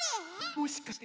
もしかして。